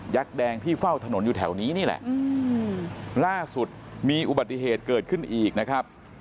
แดงที่เฝ้าถนนอยู่แถวนี้นี่แหละล่าสุดมีอุบัติเหตุเกิดขึ้นอีกนะครับ